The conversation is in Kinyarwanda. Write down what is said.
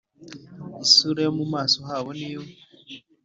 Isura yo mu maso habo ni yo